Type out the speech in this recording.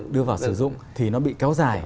đưa vào sử dụng thì nó bị kéo dài